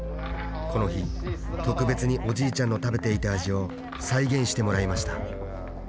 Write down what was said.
この日特別におじいちゃんの食べていた味を再現してもらいました